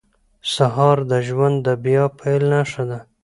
سهار د ژوند د بیا پیل نښه ده.